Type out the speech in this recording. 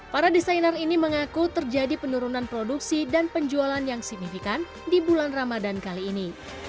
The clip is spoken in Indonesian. para desainer ini mengaku terjadi penurunan produksi dan penjualan yang signifikan di bulan ramadan kali ini